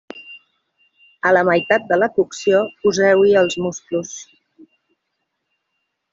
A la meitat de la cocció poseu-hi els musclos.